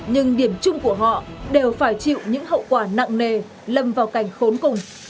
nhưng điểm chung của họ đều phải chịu những hậu quả nặng nề lâm vào cảnh khốn cùng